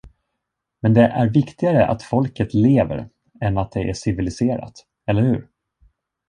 Men det är viktigare att folket lever än att det är civiliserat, eller hur?